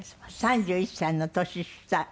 ３１歳の年下